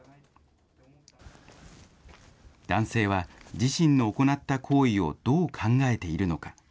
男性は自身の行った行為をどう考えているのか。